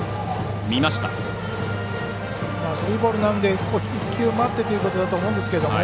スリーボールなんで１球、待ってということだと思うんですけどね。